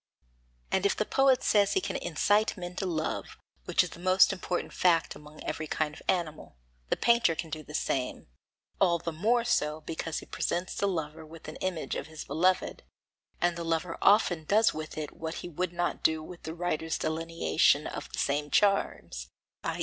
And if the poet says he can incite men to love, which is the most important fact among every kind of animal, the painter can do the same, all the more so because he presents the lover with the image of his beloved; and the lover often does with it what he would not do with the writer's delineation of the same charms, i.